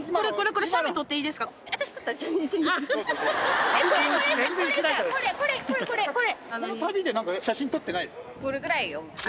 これこれこれ！